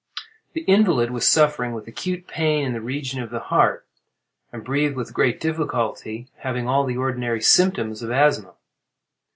The invalid was suffering with acute pain in the region of the heart, and breathed with great difficulty, having all the ordinary symptoms of asthma.